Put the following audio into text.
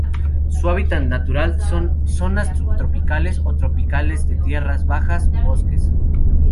Su hábitat natural son: zonas subtropicales o tropicales de tierras bajas, bosques.